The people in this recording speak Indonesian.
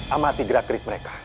amati gerak gerik mereka